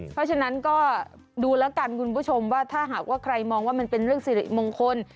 เพราะฉะนั้นก็ดูแล้วกันคุณผู้ชมว่าถ้าหากว่าใครมองว่ามันเป็นเรื่องสิริมงคล